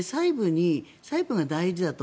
細部が大事だと。